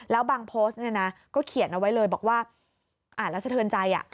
แล้วบางโพสต์เนี่ยนะก็เขียนเอาไว้เลยบอกว่าอ่านแล้วสะเทินใจ